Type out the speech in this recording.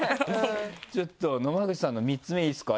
ちょっと野間口さんの３つ目いいですか？